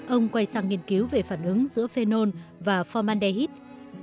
ông quay sang nghiên cứu về phản ứng giữa phenol và formande